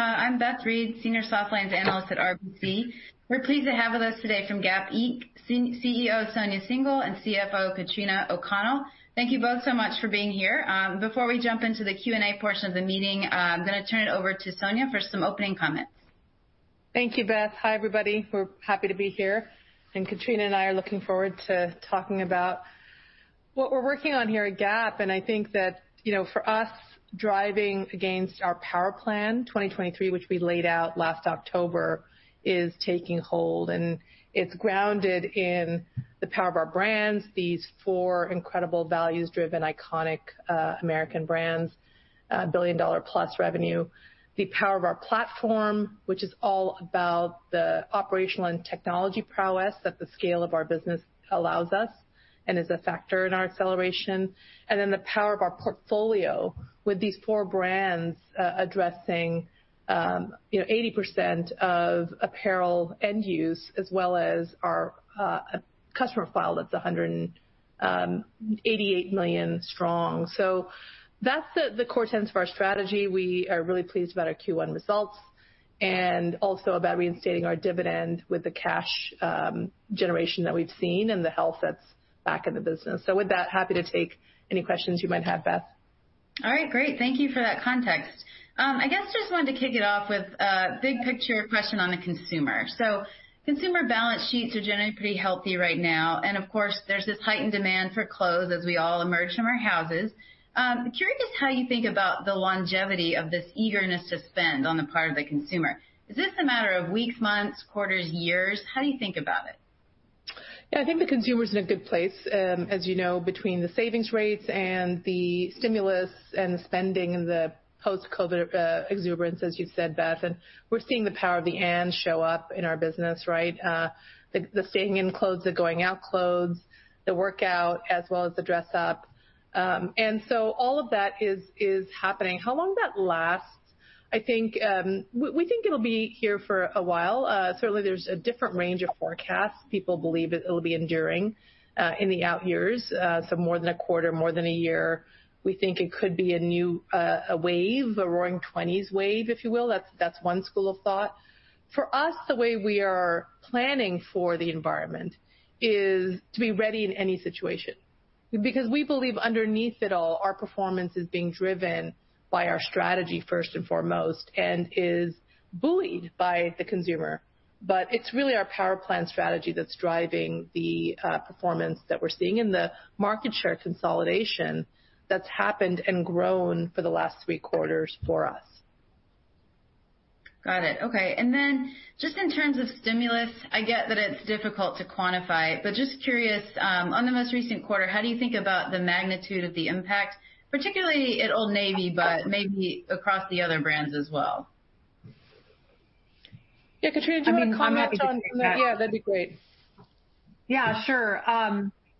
I'm Beth Reed, Senior Softlines Analyst at RBC. We're pleased to have with us today from Gap Inc, CEO Sonia Syngal and CFO Katrina O'Connell. Thank you both so much for being here. Before we jump into the Q&A portion of the meeting, I'm going to turn it over to Sonia for some opening comments. Thank you, Beth. Hi, everybody. We're happy to be here, Katrina and I are looking forward to talking about what we're working on here at Gap. I think that for us, driving against our Power Plan 2023, which we laid out last October, is taking hold, and it's grounded in the power of our brands, these four incredible values-driven, iconic American brands, billion-dollar-plus revenue, the power of our platform, which is all about the operational and technology prowess that the scale of our business allows us and is a factor in our acceleration, and then the power of our portfolio with these four brands addressing 80% of apparel end use as well as our customer file that's 188 million strong. That's the core tenets of our strategy. We are really pleased about our Q1 results and also about reinstating our dividend with the cash generation that we've seen and the health that's back in the business. With that, happy to take any questions you might have, Beth. All right. Great. Thank you for that context. I guess just wanted to kick it off with a big picture question on the consumer. Consumer balance sheets are generally pretty healthy right now, and of course, there's this heightened demand for clothes as we all emerge from our houses. I'm curious how you think about the longevity of this eagerness to spend on the part of the consumer. Is this a matter of weeks, months, quarters, years? How do you think about it? Yeah, I think the consumer is in a good place. As you know, between the savings rates and the stimulus and the spending and the post-COVID exuberance, as you said, Beth, we're seeing the power of the and show up in our business, right? The staying in clothes, the going out clothes, the workout, as well as the dress up. All of that is happening. How long that lasts, we think it'll be here for a while. Certainly, there's a different range of forecasts. People believe it'll be enduring in the out years. More than a quarter, more than a year. We think it could be a wave, a Roaring Twenties wave, if you will. That's one school of thought. For us, the way we are planning for the environment is to be ready in any situation, because we believe underneath it all, our performance is being driven by our strategy first and foremost, and is buoyed by the consumer. It's really our Power Plan strategy that's driving the performance that we're seeing and the market share consolidation that's happened and grown for the last three quarters for us. Got it. Okay. Just in terms of stimulus, I get that it's difficult to quantify, but just curious, on the most recent quarter, how do you think about the magnitude of the impact, particularly at Old Navy, but maybe across the other brands as well? Yeah, Katrina, do you want to comment on that? Yeah, that'd be great. Yeah, sure.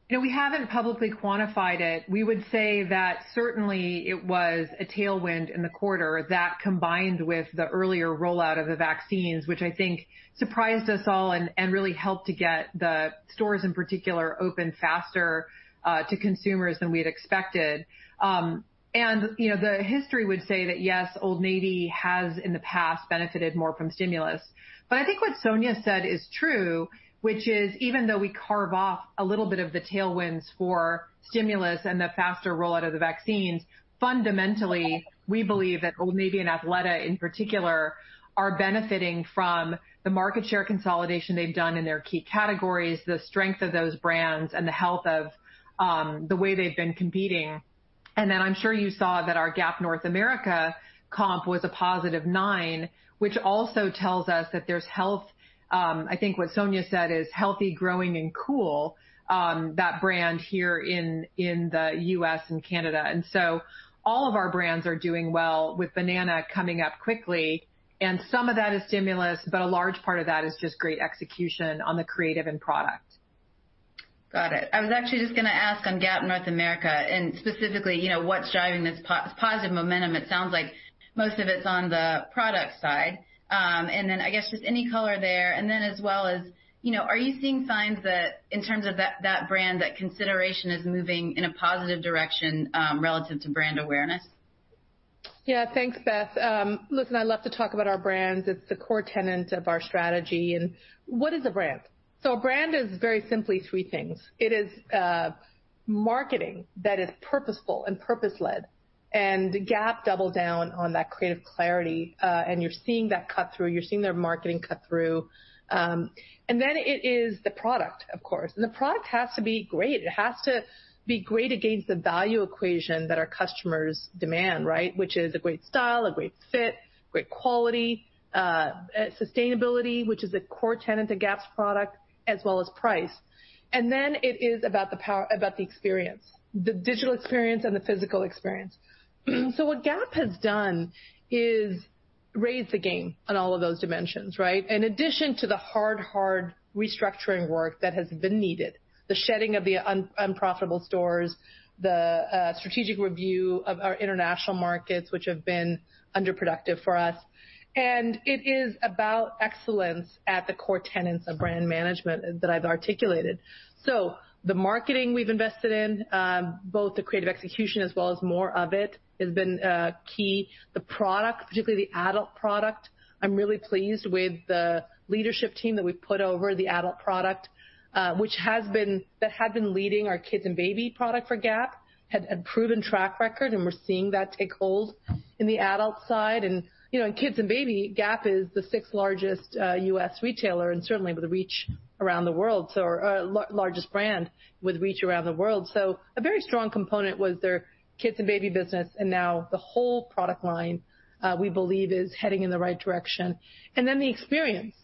We haven't publicly quantified it. We would say that certainly it was a tailwind in the quarter that combined with the earlier rollout of the vaccines, which I think surprised us all and really helped to get the stores, in particular, open faster to consumers than we had expected. The history would say that, yes, Old Navy has in the past benefited more from stimulus. I think what Sonia said is true, which is even though we carve off a little bit of the tailwinds for stimulus and the faster rollout of the vaccines, fundamentally, we believe that Old Navy and Athleta, in particular, are benefiting from the market share consolidation they've done in their key categories, the strength of those brands, and the health of the way they've been competing. I'm sure you saw that our Gap North America comp was a positive nine, which also tells us that there's health. I think what Sonia said is healthy, growing, and cool, that brand here in the U.S. and Canada. All of our brands are doing well with Banana coming up quickly, and some of that is stimulus, but a large part of that is just great execution on the creative end product. Got it. I was actually just going to ask on Gap North America, specifically, what's driving this positive momentum. It sounds like most of it's on the product side. Then, I guess, just any color there, and then as well as are you seeing signs that in terms of that brand, that consideration is moving in a positive direction relative to brand awareness? Yeah. Thanks, Beth. Listen, I love to talk about our brands. It's the core tenet of our strategy. What is a brand? A brand is very simply three things. It is marketing that is purposeful and purpose-led, and Gap doubled down on that creative clarity, and you're seeing that cut through. You're seeing their marketing cut through. Then it is the product, of course, and the product has to be great. It has to be great against the value equation that our customers demand, which is a great style, a great fit, great quality, sustainability, which is a core tenet to Gap's product, as well as price. Then it is about the experience, the digital experience and the physical experience. What Gap has done is raise the game on all of those dimensions, right? In addition to the hard restructuring work that has been needed, the shedding of the unprofitable stores, the strategic review of our international markets, which have been underproductive for us. It is about excellence at the core tenets of brand management that I've articulated. The marketing we've invested in, both the creative execution as well as more of it, has been key. The product, particularly the adult product, I'm really pleased with the leadership team that we've put over the adult product, which that had been leading our kids and baby product for Gap, had a proven track record, and we're seeing that take hold in the adult side. Kids and baby, Gap is the sixth-largest U.S. retailer and certainly with a reach around the world. Our largest brand with reach around the world. A very strong component was their kids and baby business, and now the whole product line, we believe, is heading in the right direction. The experience.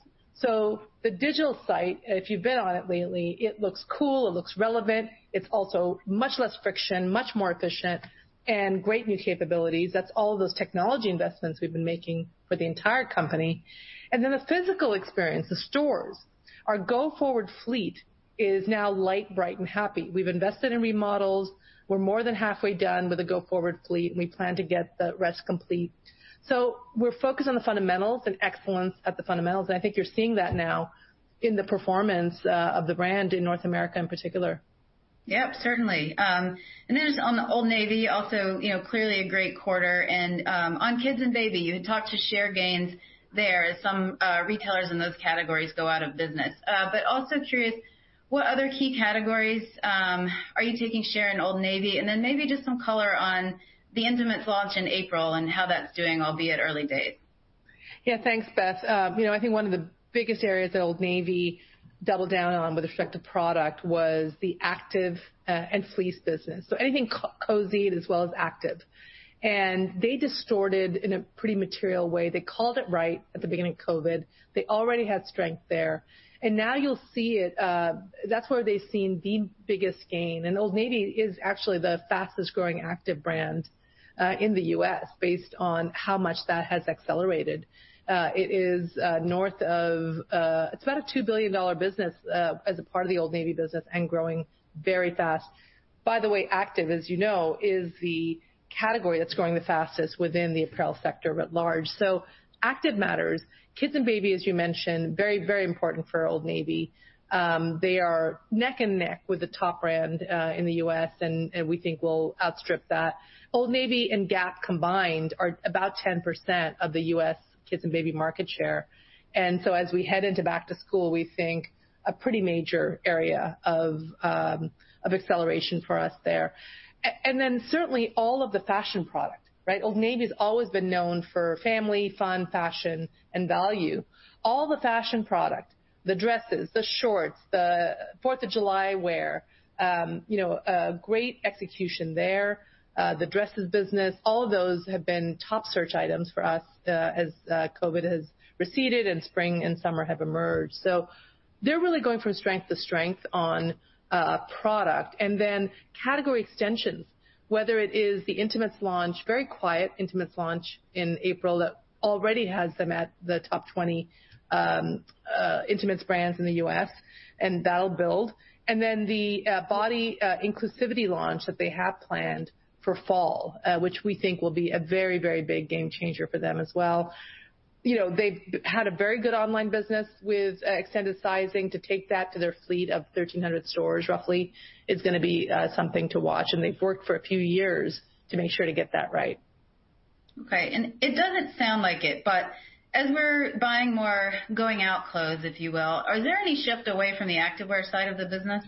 The digital site, if you've been on it lately, it looks cool, it looks relevant. It's also much less friction, much more efficient, and great new capabilities. That's all of those technology investments we've been making for the entire company. The physical experience, the stores. Our go-forward fleet is now light, bright, and happy. We've invested in remodels. We're more than halfway done with the go-forward fleet, and we plan to get the rest complete. We're focused on the fundamentals and excellence at the fundamentals, and I think you're seeing that now in the performance of the brand in North America in particular. Yep, certainly. Just on the Old Navy, also clearly a great quarter. On kids and baby, you talked to share gains there. Some retailers in those categories go out of business. Also curious, what other key categories are you taking share in Old Navy? Maybe just some color on the intimates launch in April and how that's doing, albeit early days. Yeah, thanks, Beth. I think one of the biggest areas that Old Navy doubled down on with respect to product was the active and fleece business. Anything cozy as well as active. They distorted in a pretty material way. They called it right at the beginning of COVID. They already had strength there, and now you'll see it. That's where they've seen the biggest gain. Old Navy is actually the fastest-growing active brand in the U.S. based on how much that has accelerated. It's about a $2 billion business as a part of the Old Navy business and growing very fast. By the way, active, as you know, is the category that's growing the fastest within the apparel sector at large. Active matters. Kids and baby, as you mentioned, very important for Old Navy. They are neck and neck with the top brand in the U.S., and we think we'll outstrip that. Old Navy and Gap combined are about 10% of the U.S. kids and baby market share. As we head into back to school, we think a pretty major area of acceleration for us there. Certainly all of the fashion products, right? Old Navy has always been known for family fun, fashion, and value. All the fashion products, the dresses, the shorts, the Fourth of July wear, great execution there. The dresses business, all of those have been top search items for us as COVID has receded and spring and summer have emerged. They're really going from strength to strength on product. Category extensions, whether it is the intimates launch, very quiet intimates launch in April that already has them at the top 20 intimates brands in the U.S. and now build. The body inclusivity launch that they have planned for fall, which we think will be a very big game changer for them as well. They've had a very good online business with extended sizing to take that to their fleet of 1,300 stores roughly, is going to be something to watch. They've worked for a few years to make sure to get that right. Great. It doesn't sound like it, but as we're buying more going-out clothes, if you will, are there any shift away from the activewear side of the business?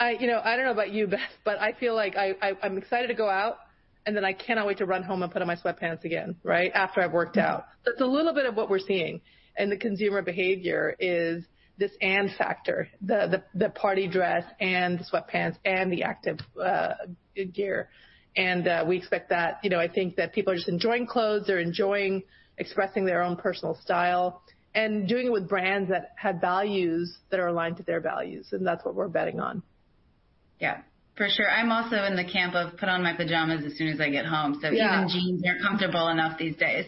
I don't know about you, Beth, but I feel like I'm excited to go out, and then I cannot wait to run home and put on my sweatpants again, right, after I've worked out. That's a little bit of what we're seeing in the consumer behavior is this and factor, the party dress and the sweatpants and the active gear. We expect that. I think that people are just enjoying clothes. They're enjoying expressing their own personal style and doing it with brands that have values that are aligned to their values, and that's what we're betting on. Yeah, for sure. I'm also in the camp of put on my pajamas as soon as I get home. Yeah. Jeans aren't comfortable enough these days.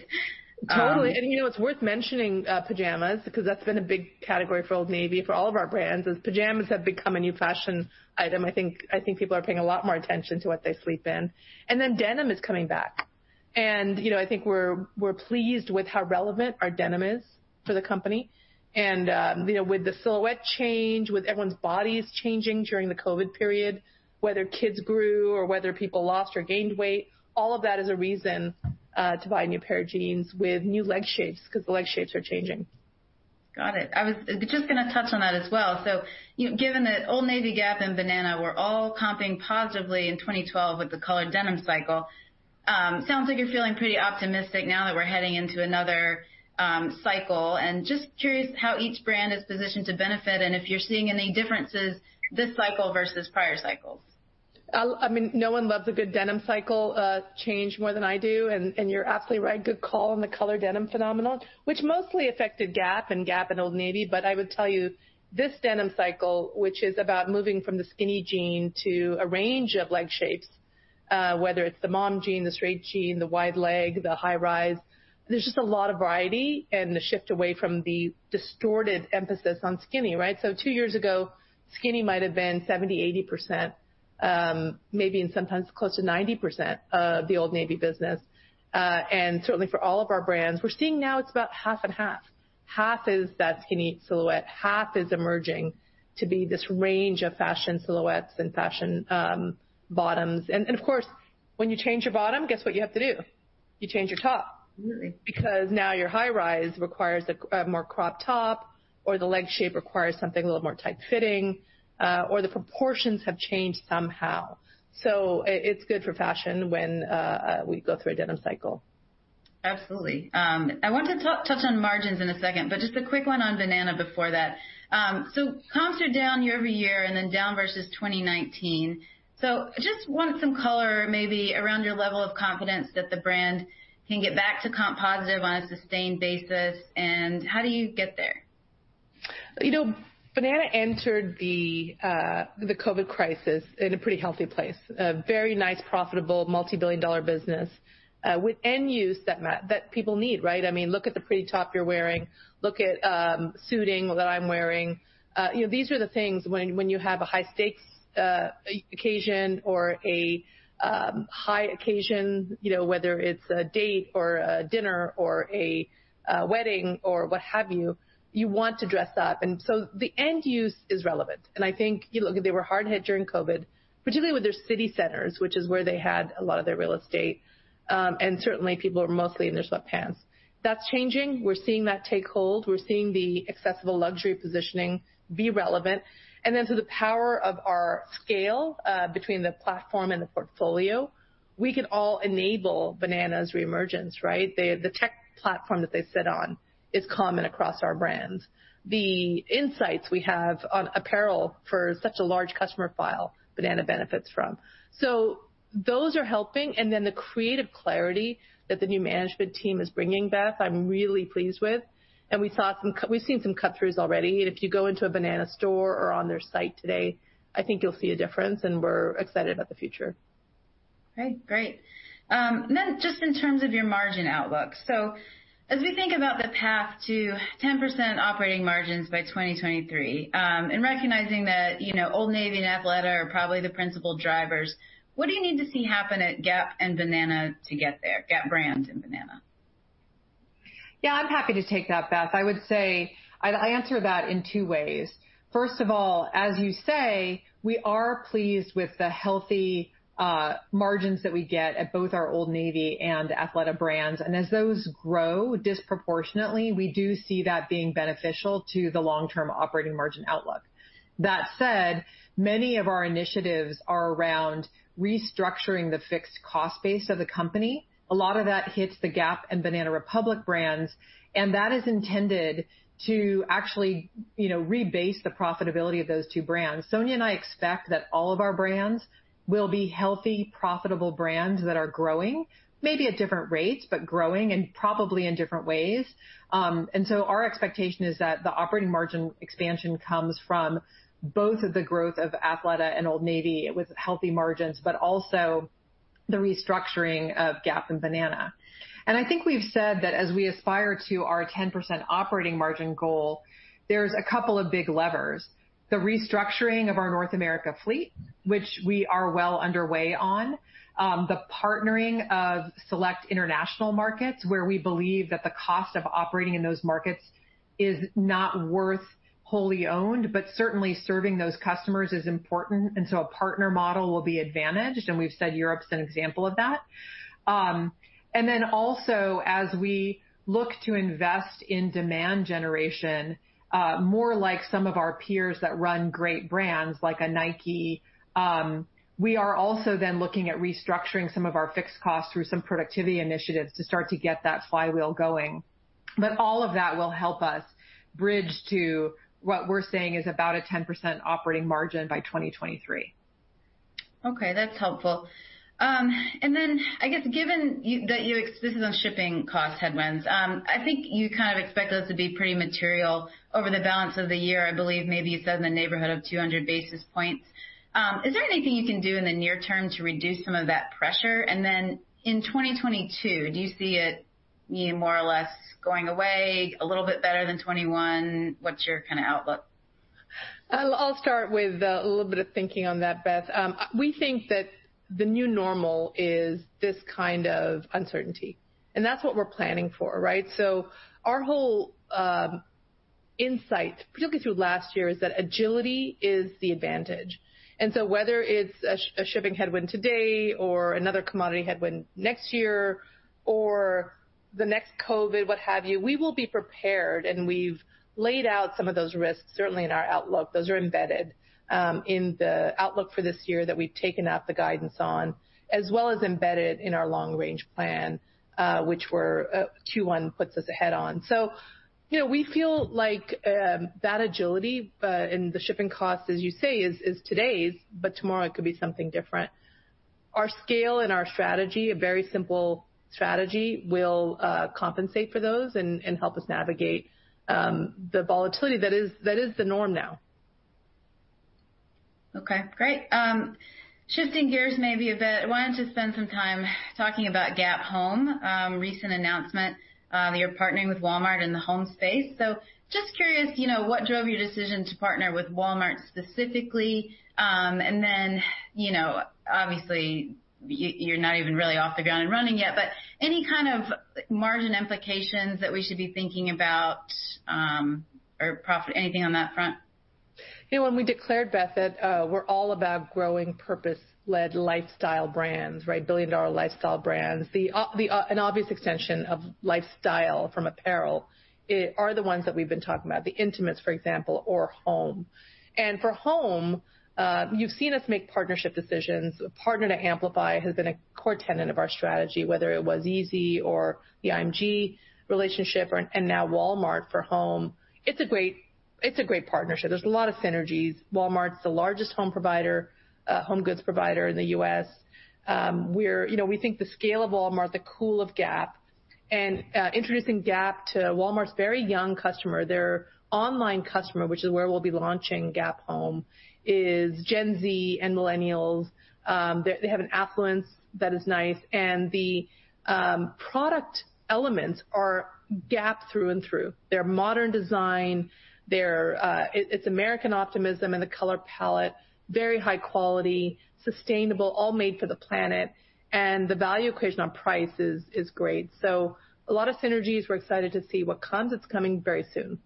Totally. It's worth mentioning pajamas because that's been a big category for Old Navy, for all of our brands, as pajamas have become a new fashion item. I think people are paying a lot more attention to what they sleep in. Then denim is coming back. I think we're pleased with how relevant our denim is for the company. With the silhouette change, with everyone's bodies changing during the COVID period, whether kids grew or whether people lost or gained weight, all of that is a reason to buy a new pair of jeans with new leg shapes because the leg shapes are changing. Got it. I was just going to touch on that as well. Given that Old Navy, Gap, and Banana were all comping positively in 2012 with the colored denim cycle, sounds like you're feeling pretty optimistic now that we're heading into another cycle. Just curious how each brand is positioned to benefit and if you're seeing any differences this cycle versus prior cycles. No one loves a good denim cycle change more than I do. You're absolutely right. Good call on the color denim phenomenon, which mostly affected Gap and Old Navy. I would tell you, this denim cycle, which is about moving from the skinny jean to a range of leg shapes. Whether it's the mom jean, the straight jean, the wide leg, the high rise, there's just a lot of variety, and the shift away from the distorted emphasis on skinny, right. Two years ago, skinny might have been 70%, 80%, maybe, and sometimes close to 90% of the Old Navy business. Certainly for all of our brands, we're seeing now it's about half and half. Half is that skinny silhouette, half is emerging to be this range of fashion silhouettes and fashion bottoms. Of course, when you change your bottom, guess what you have to do? You change your top. Now your high rise requires a more cropped top, or the leg shape requires something a little more tight fitting, or the proportions have changed somehow. It's good for fashion when we go through a denim cycle. Absolutely. I want to touch on margins in a second, but just a quick one on Banana before that. Comps are down year-over-year, and then down versus 2019. Just want some color maybe around your level of confidence that the brand can get back to comp positive on a sustained basis, and how do you get there? Banana Republic entered the COVID crisis in a pretty healthy place. A very nice, profitable, multibillion-dollar business, with end use that people need, right? I mean, look at the pretty top you're wearing. Look at suiting that I'm wearing. These are the things when you have a high stakes occasion or a high occasion, whether it's a date or a dinner or a wedding or what have you want to dress up. The end use is relevant. I think they were hard hit during COVID, particularly with their city centers, which is where they had a lot of their real estate. Certainly, people were mostly in their sweatpants. That's changing. We're seeing that take hold. We're seeing the accessible luxury positioning be relevant. Through the power of our scale, between the platform and the portfolio, we can all enable Banana Republic's reemergence, right? The tech platform that they sit on is common across our brands. The insights we have on apparel for such a large customer file, Banana benefits from. Those are helping, and then the creative clarity that the new management team is bringing, Beth, I'm really pleased with. We've seen some cut-throughs already. If you go into a Banana store or on their site today, I think you'll see a difference, and we're excited about the future. Okay, great. Just in terms of your margin outlook. As we think about the path to 10% operating margins by 2023, and recognizing that Old Navy and Athleta are probably the principal drivers, what do you need to see happen at Gap and Banana to get there, Gap brand and Banana? Yeah, I'm happy to take that, Beth. I would say, I'd answer that in two ways. First of all, as you say, we are pleased with the healthy margins that we get at both our Old Navy and Athleta brands. As those grow disproportionately, we do see that being beneficial to the long-term operating margin outlook. That said, many of our initiatives are around restructuring the fixed cost base of the company. A lot of that hits the Gap and Banana Republic brands, and that is intended to actually rebase the profitability of those two brands. Sonia and I expect that all of our brands will be healthy, profitable brands that are growing, maybe at different rates, but growing, and probably in different ways. Our expectation is that the operating margin expansion comes from both of the growth of Athleta and Old Navy with healthy margins, but also the restructuring of Gap and Banana. I think we've said that as we aspire to our 10% operating margin goal, there's a couple of big levers. The restructuring of our North America fleet, which we are well underway on. The partnering of select international markets where we believe that the cost of operating in those markets is not worth wholly owned, but certainly serving those customers is important, and so a partner model will be advantaged, and we've said Europe's an example of that. Also as we look to invest in demand generation, more like some of our peers that run great brands like a Nike, we are also looking at restructuring some of our fixed costs through some productivity initiatives to start to get that flywheel going. All of that will help us bridge to what we're saying is about a 10% operating margin by 2023. Okay, that's helpful. Given that you explicitly said shipping cost headwinds, I think you expect those to be pretty material over the balance of the year. I believe maybe you said in the neighborhood of 200 basis points. Is there anything you can do in the near term to reduce some of that pressure? In 2022, do you see it more or less going away, a little bit better than 2021? What's your outlook? I'll start with a little bit of thinking on that, Beth. We think that the new normal is this kind of uncertainty, and that's what we're planning for, right? Our whole insight, particularly through last year, is that agility is the advantage. Whether it's a shipping headwind today or another commodity headwind next year or the next COVID, what have you, we will be prepared, and we've laid out some of those risks, certainly in our outlook. Those are embedded in the outlook for this year that we've taken out the guidance on, as well as embedded in our long range plan, which Q1 puts us ahead on. We feel like that agility and the shipping cost, as you say, is today's, but tomorrow it could be something different. Our scale and our strategy, a very simple strategy, will compensate for those and help us navigate the volatility that is the norm now. Okay, great. Shifting gears maybe a bit, I wanted to spend some time talking about Gap Home, recent announcement that you're partnering with Walmart in the home space. Just curious, what drove your decision to partner with Walmart specifically? Obviously, you're not even really off the ground and running yet, but any kind of margin implications that we should be thinking about, or profit, anything on that front? When we declared, Beth, that we're all about growing purpose-led lifestyle brands, billion-dollar lifestyle brands, an obvious extension of lifestyle from apparel are the ones that we've been talking about, the intimates, for example, or home. For home, you've seen us make partnership decisions. Partner to Amplify has been a core tenet of our strategy, whether it was Yeezy or the IMG relationship and now Walmart for home. It's a great partnership. There's a lot of synergies. Walmart's the largest home goods provider in the U.S. We think the scale of Walmart, the cool of Gap, and introducing Gap to Walmart's very young customer, their online customer, which is where we'll be launching Gap Home, is Gen Z and millennials. They have an affluence that is nice, the product elements are Gap through and through. They're modern design. It's American optimism in the color palette, very high quality, sustainable, all made for the planet. The value equation on price is great. A lot of synergies. We're excited to see what comes. It's coming very soon.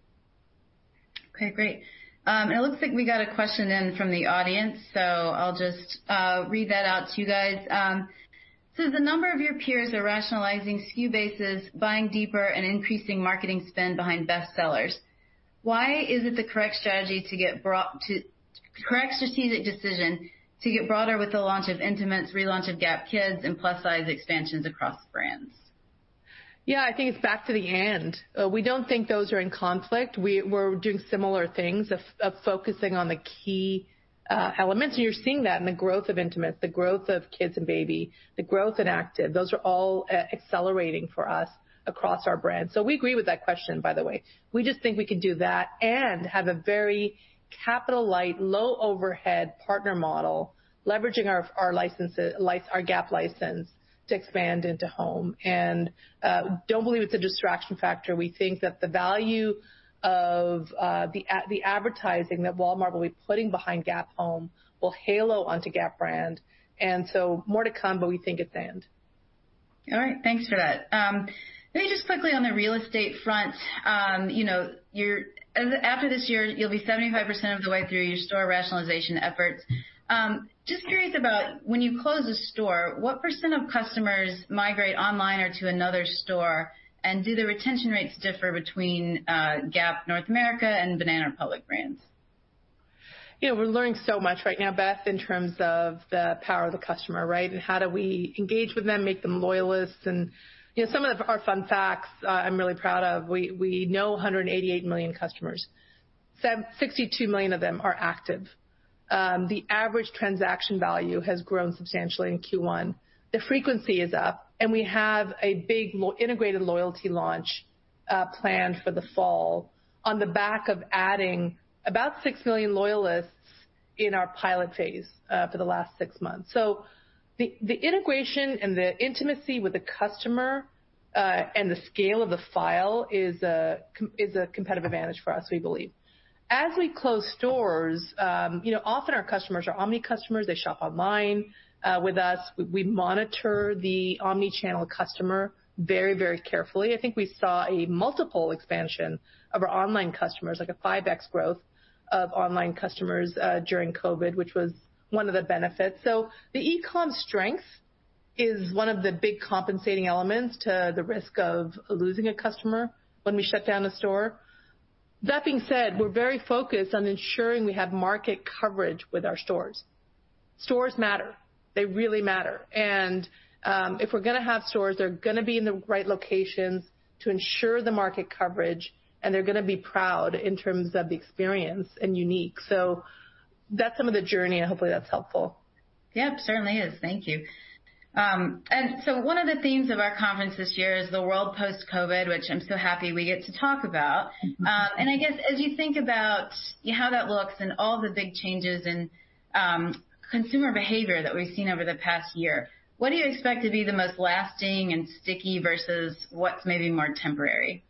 Okay, great. It looks like we got a question in from the audience, so I'll just read that out to you guys. Says, "A number of your peers are rationalizing SKU bases, buying deeper, and increasing marketing spend behind bestsellers. Why is it the correct strategic decision to get broader with the launch of intimates, relaunch of GapKids, and plus size expansions across brands? Yeah, I think it's back to the and. We don't think those are in conflict. We're doing similar things of focusing on the key elements, and you're seeing that in the growth of intimates, the growth of kids and baby, the growth in active. Those are all accelerating for us across our brands. We agree with that question, by the way. We just think we can do that and have a very capital light, low overhead partner model, leveraging our Gap license to expand into home, and don't believe it's a distraction factor. We think that the value of the advertising that Walmart will be putting behind Gap Home will halo onto Gap brand, more to come, we think it's and. All right. Thanks for that. Maybe just quickly on the real estate front. After this year, you'll be 75% of the way through your store rationalization efforts. Just curious about when you close a store, what percent of customers migrate online or to another store, and do the retention rates differ between Gap North America and Banana Republic brands? We're learning so much right now, Beth, in terms of the power of the customer and how do we engage with them, make them loyalists, and some of our fun facts I'm really proud of. We know 188 million customers, 62 million of them are active. The average transaction value has grown substantially in Q1. We have a big integrated loyalty launch planned for the fall on the back of adding about six million loyalists in our pilot phase for the last six months. The integration and the intimacy with the customer, and the scale of the file is a competitive advantage for us, we believe. As we close stores, often our customers are omni-customers. They shop online with us. We monitor the omni-channel customer very carefully. I think we saw a multiple expansion of our online customers, like a 5x growth of online customers during COVID, which was one of the benefits. The e-com strength is one of the big compensating elements to the risk of losing a customer when we shut down a store. That being said, we're very focused on ensuring we have market coverage with our stores. Stores matter. They really matter. If we're going to have stores, they're going to be in the right locations to ensure the market coverage, and they're going to be proud in terms of the experience, and unique. That's some of the journey, and hopefully that's helpful. Yep, certainly is. Thank you. One of the themes of our conference this year is the world post-COVID, which I'm so happy we get to talk about. I guess as you think about how that looks and all the big changes in consumer behavior that we've seen over the past year, what do you expect to be the most lasting and sticky versus what's maybe more temporary? Yeah,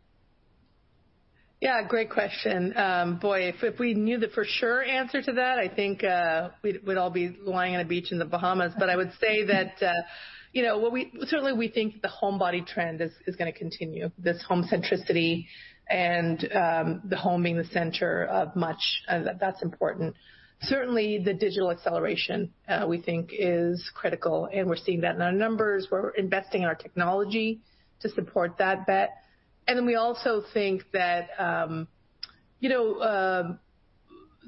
great question. Boy, if we knew the for sure answer to that, I think we'd all be lying on a beach in the Bahamas. I would say that certainly we think the homebody trend is going to continue, this home centricity and the home being the center of much. That's important. Certainly, the digital acceleration we think is critical, and we're seeing that in our numbers. We're investing in our technology to support that bet. We also think that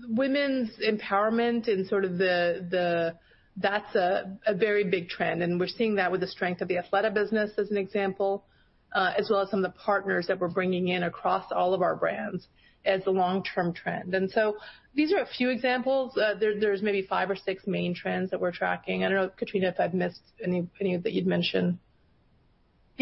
women's empowerment, that's a very big trend, and we're seeing that with the strength of the Athleta business as an example, as well as some of the partners that we're bringing in across all of our brands as the long-term trend. These are a few examples. There's maybe five or six main trends that we're tracking. I don't know, Katrina, if I've missed any that you'd mention. Yeah,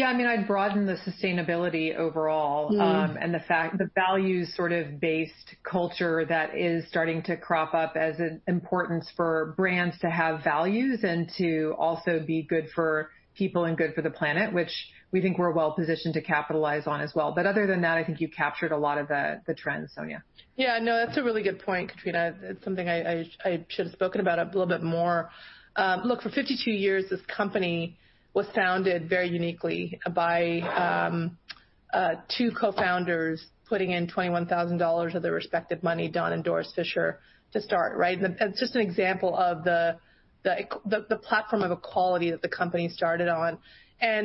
I'd broaden the sustainability overall and the fact the values sort of based culture that is starting to crop up as an importance for brands to have values and to also be good for people and good for the planet, which we think we're well-positioned to capitalize on as well. Other than that, I think you captured a lot of the trends, Sonia. Yeah, no, that's a really good point, Katrina. It's something I should've spoken about a little bit more. Look, for 52 years, this company was founded very uniquely by two co-founders putting in $21,000 of their respective money, Don and Doris Fisher, to start, right? That's just an example of the platform of equality that the company started on.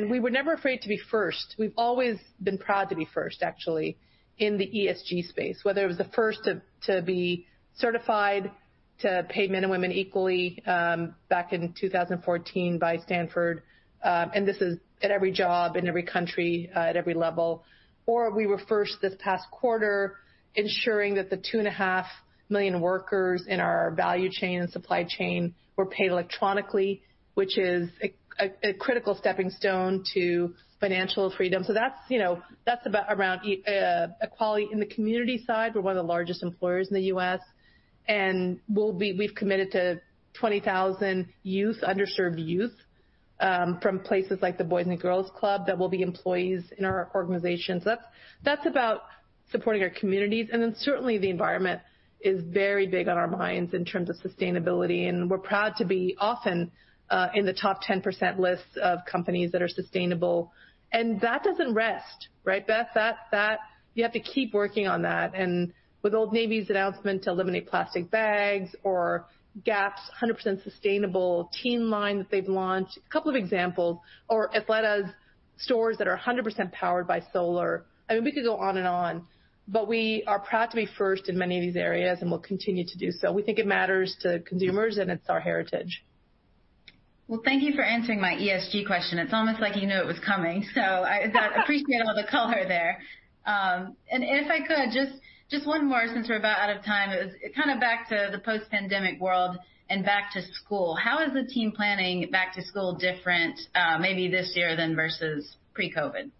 We were never afraid to be first. We've always been proud to be first, actually, in the ESG space, whether it was the first to be certified to pay men and women equally back in 2014 by Stanford, and this is at every job in every country, at every level, or we were first this past quarter ensuring that the two and a half million workers in our value chain and supply chain were paid electronically, which is a critical stepping stone to financial freedom. That's about around equality. In the community side, we're one of the largest employers in the U.S., and we've committed to 20,000 underserved youth from places like the Boys and Girls Club that will be employees in our organizations. That's about supporting our communities, and then certainly the environment is very big on our minds in terms of sustainability, and we're proud to be often in the top 10% list of companies that are sustainable. That doesn't rest, right? You have to keep working on that. With Old Navy's announcement to eliminate plastic bags or Gap's 100% sustainable teen line that they've launched, a couple of examples. Athleta's stores that are 100% powered by solar, and we could go on and on. We are proud to be first in many of these areas, and we'll continue to do so. We think it matters to consumers, and it's our heritage. Well, thank you for answering my ESG question. It's almost like you knew it was coming, so I appreciate all the color there. If I could, just one more since we're about out of time. It's kind of back to the post-pandemic world and back to school. How is the team planning back to school different maybe this year than versus pre-COVID?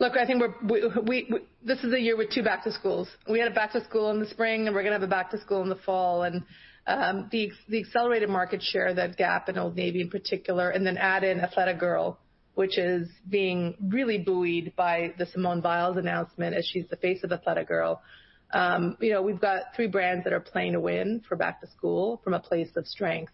I think this is a year with two back to schools. We had back to school in the spring, and we're going to have a back to school in the fall. The accelerated market share that Gap and Old Navy in particular, and then add in Athleta Girl, which is being really buoyed by the Simone Biles announcement as she's the face of Athleta Girl. We've got three brands that are playing to win for back to school from a place of strength.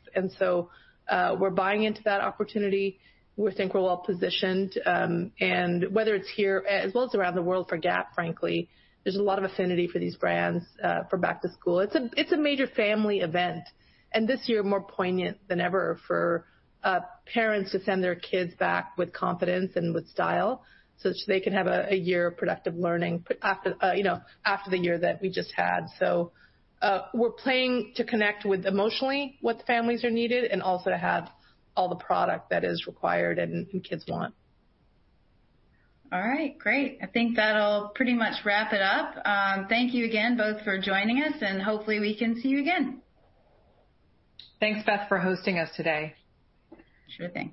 We're buying into that opportunity. We think we're well-positioned. Whether it's here, as well as around the world for Gap, frankly, there's a lot of affinity for these brands for back to school. It's a major family event. This year more poignant than ever for parents to send their kids back with confidence and with style, such that they can have a year of productive learning after the year that we just had. We're planning to connect with emotionally what families are needed and also have all the product that is required and the kids want. All right. Great. I think that'll pretty much wrap it up. Thank you again both for joining us, and hopefully we can see you again. Thanks, Beth, for hosting us today. Sure thing.